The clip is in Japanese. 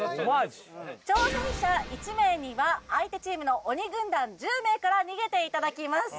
挑戦者１名には相手チームの鬼軍団１０名から逃げていただきます